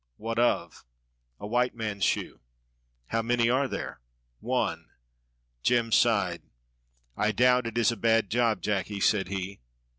"What of?" "A white man's shoe." "How many are there?" "One." Jem sighed. "I doubt it is a bad job, Jacky," said he.